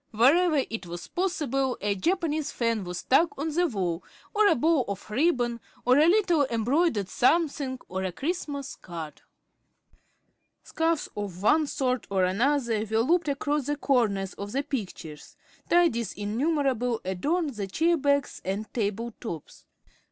Wherever it was possible, a Japanese fan was stuck on the wall, or a bow of ribbon, or a little embroidered something, or a Christmas card. Scarfs of one sort or another were looped across the corners of the pictures, tidies innumerable adorned the chair backs and table tops.